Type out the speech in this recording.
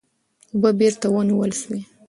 اوبه بېرته ونیول سوې.